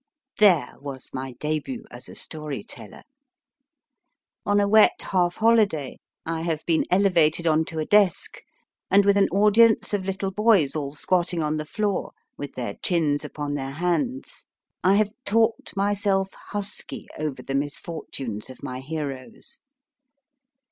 There was my debut as a story teller. On a wet half holiday I have been elevated on to a desk, and with an audience of little boys all squatting on the floor, with their chins upon their hands, I have talked myself husky over the misfortunes of my heroes.